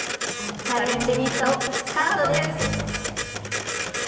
「チャレンジニット」スタートです！